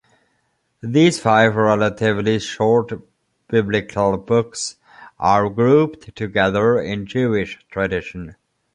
These five relatively short biblical books are grouped together in Jewish tradition.